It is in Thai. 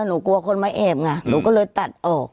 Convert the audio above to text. หนูกลัวคนมาแอบไงหนูก็เลยตัดออก